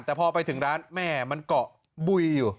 แต่พอไปถึงร้านแม่มันเกาะบุยอยู่